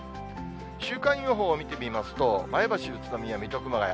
週間予報を見てみますと、前橋、宇都宮、水戸、熊谷。